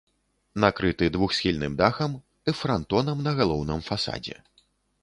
Накрыты двухсхільным дахам э франтонам на галоўным фасадзе.